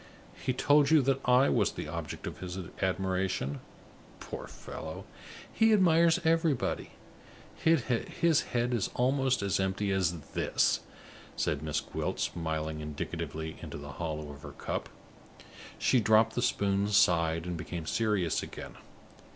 "He told you that I was the object of his admiration? Poor fellow, he admires everybody; his head is almost as empty as this," said Miss Gwilt, smiling indicatively into the hollow of her cup. She dropped the spoon, sighed, and became serious again.